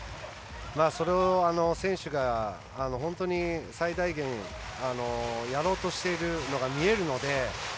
それを選手が本当に最大限、やろうとしているのが見えるので。